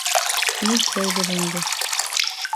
Ни эшләйбеҙ инде?